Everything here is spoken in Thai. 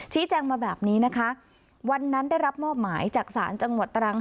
ชี้แจงมาแบบนี้นะคะวันนั้นได้รับมอบหมายจากศาลจังหวัดตรัง